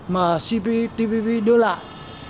mà cptpp đưa lại